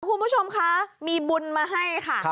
คุณผู้ชมคะมีบุญมาให้ค่ะ